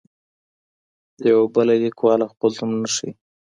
یوه بله لیکواله خپل نوم نه ښيي.